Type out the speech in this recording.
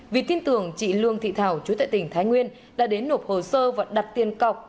vì tin tưởng chị lương thị thảo chú tại tỉnh thái nguyên đã đến nộp hồ sơ và đặt tiền cọc